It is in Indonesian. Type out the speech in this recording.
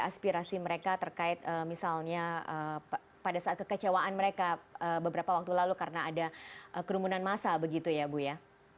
aspirasi mereka terkait misalnya pada saat kekecewaan mereka beberapa waktu lalu karena ada kerumunan masa begitu ya bu ya